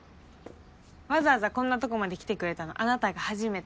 わざわざこんなとこまで来てくれたのあなたが初めて。